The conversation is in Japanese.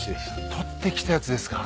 捕ってきたやつですか。